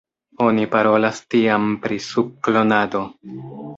Oni parolas tiam pri sub-klonado.